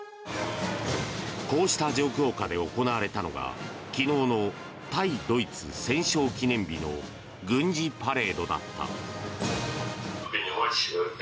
こうした状況下で行われたのが昨日の対ドイツ戦勝記念日の軍事パレードだった。